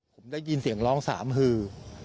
ผมได้ยินเสียงร้องสามหือ